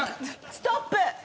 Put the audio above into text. ストップ。